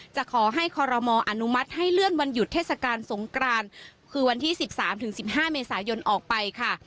จะขอให้คอรมออนุมัติให้เลื่อนวันหยุดเทศกาลสงกรานคือวันที่๑๓๑๕เมษายนออกไปค่ะ